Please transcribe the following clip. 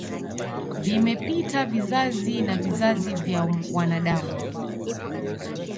Vimepita vizazi na vizazi vya wanadamu